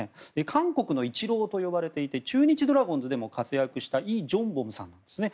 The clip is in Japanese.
韓国のイチローと呼ばれて中日ドラゴンズでも活躍されたイ・ジョンボムさんなんですね。